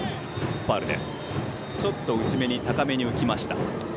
ちょっと内めに高めに浮きました。